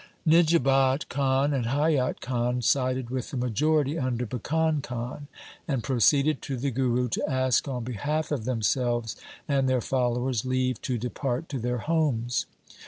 Nijabat Khan and Haiyat Khan sided with the majority under Bhikan Khan, and proceeded to the Guru to ask on behalf of themselves and their followers leave to depart to their homes.